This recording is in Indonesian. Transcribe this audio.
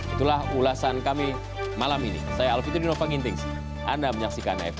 itulah ulasan kami malam ini saya alfitri novan gintings anda menyaksikan fdn